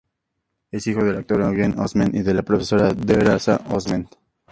Es hijo del actor Eugene Osment y de la profesora Theresa Osment.